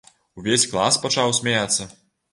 Увесь клас пачаў смяяцца.